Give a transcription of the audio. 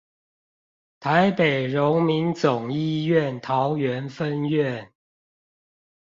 台北榮民總醫院桃園分院